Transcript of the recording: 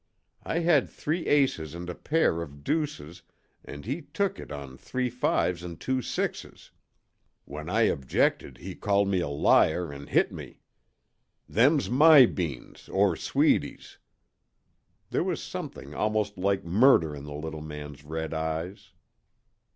I had three aces and a pair, of deuces, an' he took it on three fives and two sixes. When I objected he called me a liar an' hit me. Them's my beans, or Sweedy's!" There was something almost like murder in the little man's red eyes.